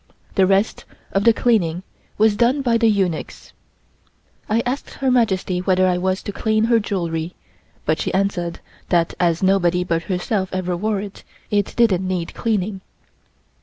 The rest of the cleaning was done by the eunuchs. I asked Her Majesty whether I was to clean her jewelry, but she answered that as nobody but herself ever wore it, it didn't need cleaning.